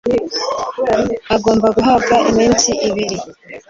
agomba guhabwa iminsi ibiri